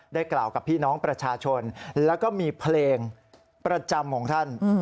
กล่าวกับพี่น้องประชาชนแล้วก็มีเพลงประจำของท่าน